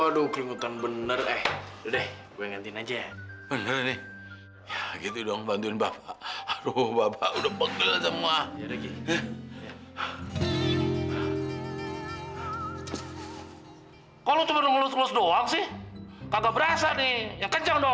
sampai jumpa di video selanjutnya